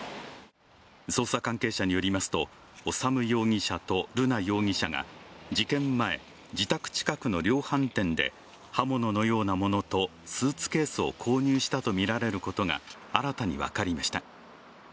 捜査関係者によりますと修容疑者と瑠奈容疑者が、事件前、自宅近くの量販店で刃物のようなものとスーツケースを購入したとみられることが新たに分かりました。